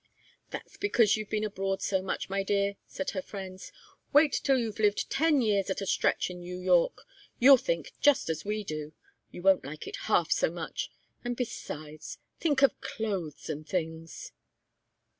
"That's because you've been abroad so much, my dear," said her friends. "Wait till you've lived ten years at a stretch in New York. You'll think just as we do. You won't like it half so much. And besides think of clothes and things!"